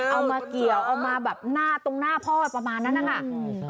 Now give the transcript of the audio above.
เอามาเกี่ยวเอามาแบบหน้าตรงหน้าพ่อประมาณนั้นนะคะอืม